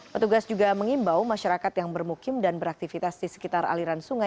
petugas juga mengimbau masyarakat yang bermukim dan beraktivitas di sekitar aliran sungai